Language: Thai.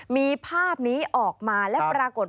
มีภาพนี้ออกมาและปรากฏ